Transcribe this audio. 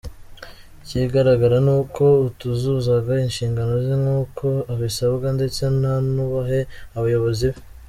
Ikigaragara ni uko atuzuzaga inshingano ze nk’uko abisabwa ndetse ntanubahe abayobozi be.